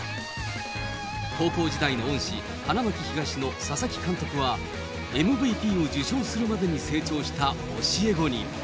高校時代の恩師、花巻東の佐々木監督はＭＶＰを受賞するまでに成長した教え子に。